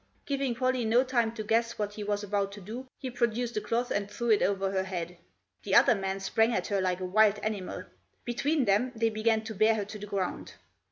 Giving Pollie no time to guess what he was about to do he produced a cloth and threw it over her head. The other man sprang at her like a wild animal. Between them they began to bear her to the ground.